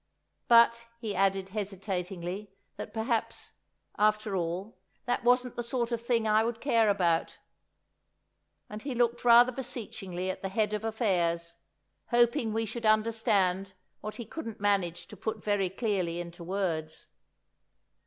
But, he added hesitatingly, that perhaps, after all, that wasn't the sort of thing I would care about; and he looked rather beseechingly at the Head of Affairs, hoping we should understand what he couldn't manage to put very clearly into words.